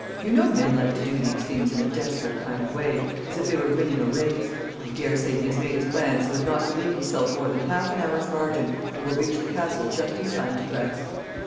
"You know men like to do these things in a desperate kind of way as if they were winning a race. I daresay he has made his plans so as not to leave himself more than half an hour's margin, and will reach the Castle just in time to dress."